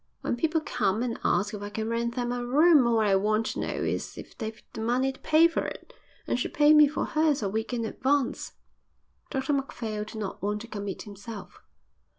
When people come and ask if I can rent them a room all I want to know is if they've the money to pay for it. And she paid me for hers a week in advance." Dr Macphail did not want to commit himself.